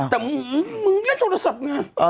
แต่มึงเล่นโทรศัพท์มา